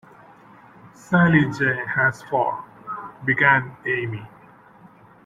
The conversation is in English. "Sallie J. has four," began Amy.